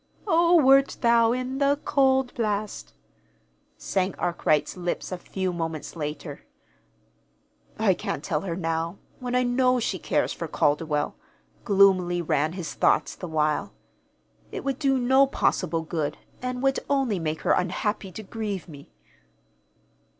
"'O wert thou in the cauld blast,'" sang Arkwright's lips a few moments later. "I can't tell her now when I know she cares for Calderwell," gloomily ran his thoughts, the while. "It would do no possible good, and would only make her unhappy to grieve me."